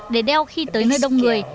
để đeo khi tới nơi đông người